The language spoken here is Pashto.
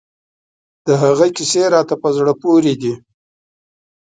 د هغه کیسې راته په زړه پورې دي.